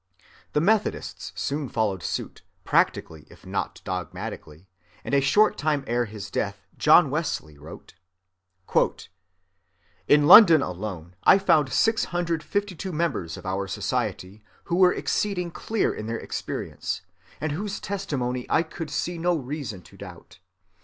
The Methodists soon followed suit, practically if not dogmatically, and a short time ere his death, John Wesley wrote:— "In London alone I found 652 members of our Society who were exceeding clear in their experience, and whose testimony I could see no reason to doubt.